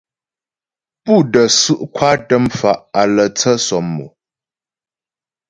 Pú də́ su' kwatə mfa' á lə́ tsə sɔmmò.